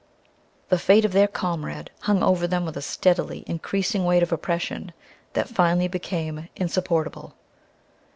The fate of their comrade hung over them with a steadily increasing weight of oppression that finally became insupportable.